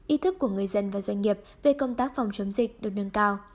ý thức của người dân và doanh nghiệp về công tác phòng chống dịch được nâng cao